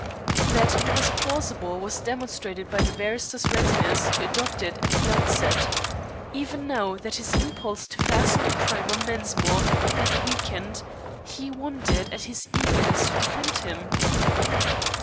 That it was plausible was demonstrated by the barrister's readiness to adopt it at the outset. Even now that his impulse to fasten the crime on Mensmore had weakened he wondered at his eagerness to defend him.